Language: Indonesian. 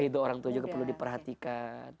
ridho orang tua juga perlu diperhatikan